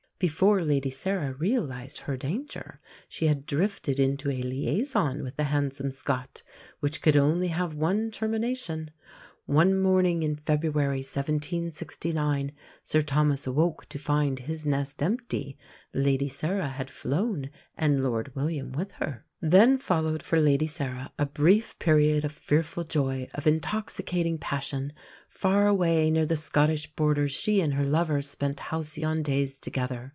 Before Lady Sarah realised her danger, she had drifted into a liaison with the handsome Scot, which could only have one termination. One morning in February 1769 Sir Thomas awoke to find his nest empty. Lady Sarah had flown, and Lord William with her. Then followed for Lady Sarah a brief period of fearful joy, of intoxicating passion. Far away near the Scottish border she and her lover spent halcyon days together.